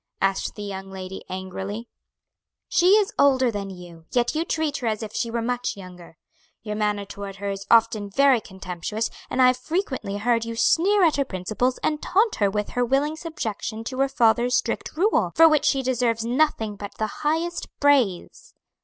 asked the young lady angrily. "She is older than you, yet you treat her as if she were much younger. Your manner toward her is often very contemptuous, and I have frequently heard you sneer at her principles and taunt her with her willing subjection to her father's strict rule; for which she deserves nothing but the highest praise."